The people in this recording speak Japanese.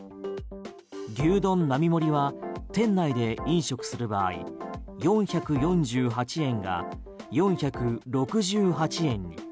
牛丼並盛は店内で飲食する場合４４８円が４６８円に。